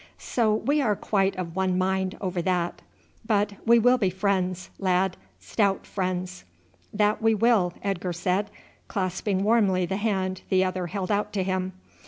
So we are quite of one mind over that. But we will be friends, lad, stout friends!" "That we will," Edgar said, clasping warmly the hand the other held out to him.